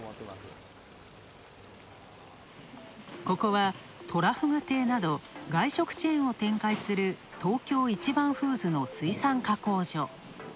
ここはとらふぐ亭など外食チェーンを展開する東京一番フーズの水産加工所。